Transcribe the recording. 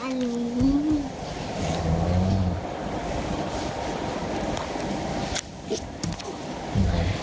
ยังแต่อันนี้